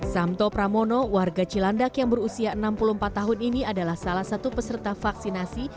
samto pramono warga cilandak yang berusia enam puluh empat tahun ini adalah salah satu peserta vaksinasi